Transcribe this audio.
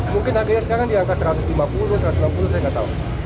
mungkin harganya sekarang di angka satu ratus lima puluh satu ratus enam puluh saya nggak tahu